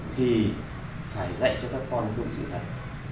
thì phải dạy cho các con hướng sự thật